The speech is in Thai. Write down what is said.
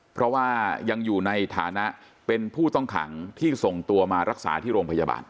เพราะว่ายังอยู่ในฐานะเป็นผู้ต้องขังที่ส่งตัวมารักษาที่โรงพยาบาล